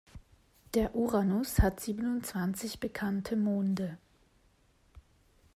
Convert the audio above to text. Der Uranus hat siebenundzwanzig bekannte Monde.